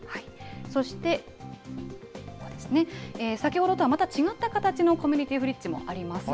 そして、先ほどとはまた違った形のコミュニティフリッジもあります。